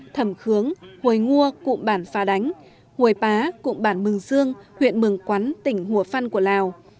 thầm khướng hồi ngua cụm bản pha đánh hồi pá cụm bản mừng dương huyện mừng quắn tỉnh hùa phăn của lào